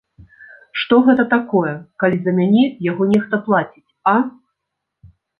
Што гэта такое, калі за мяне яго нехта плаціць, а?